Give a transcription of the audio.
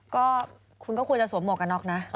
ก็คุณก็ควรจะสวมหวกกันน็อกนะ